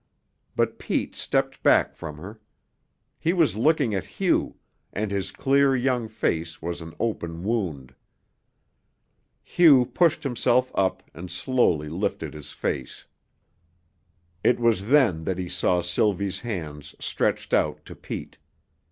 But Pete stepped back from her. He was looking at Hugh, and his clear, young face was an open wound. Hugh pushed himself up and slowly lifted his face. It was then that he saw Sylvie's hands stretched out to Pete.